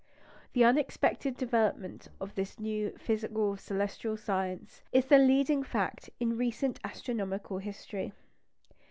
The unexpected development of this new physical celestial science is the leading fact in recent astronomical history.